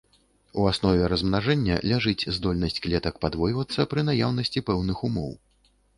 У аснове размнажэння ляжыць здольнасць клетак падвойвацца пры наяўнасці пэўных умоў.